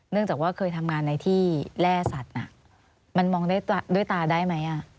จากว่าเคยทำงานในที่แร่สัตว์มันมองด้วยตาได้ไหม